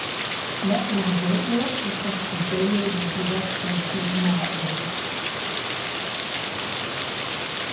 La urbego estas sidejo de diversaj firmaoj.